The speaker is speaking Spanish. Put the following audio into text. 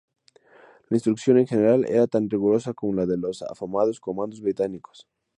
La instrucción en general era tan rigurosa como la de los afamados comandos británicos.